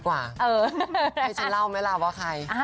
ให้ฉันเล่าไหมเล่าว่าใคร